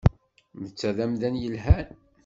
Netta d amdan yelhan.